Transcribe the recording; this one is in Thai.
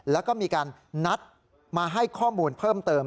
แล้วก็มีการนัดมาให้ข้อมูลเพิ่มเติม